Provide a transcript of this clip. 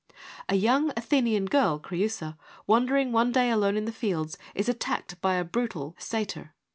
A young Athenian girl, Creusa, wandering one day alone in the fields is attacked by a brutal satyr.